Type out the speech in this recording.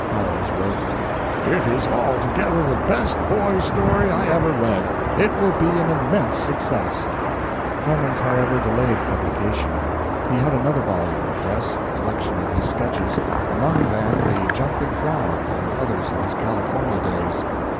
Howells wrote: "It is altogether the best boy's story I ever read. It will be an immense success." Clemens, however, delayed publication. He had another volume in press a collection of his sketches among them the "Jumping Frog," and others of his California days.